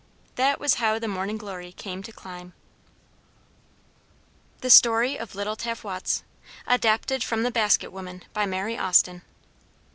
That was how the Morning Glory came to climb. THE STORY OF LITTLE TAVWOTS [Footnote 1: Adapted from The Basket Woman, by Mary Austin.